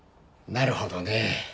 なるほどね。